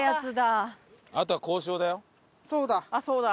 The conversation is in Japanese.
そうだ。